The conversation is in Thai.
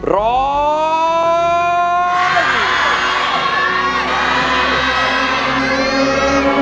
ร้อย